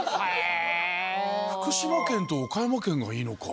福島県と岡山県がいいのか。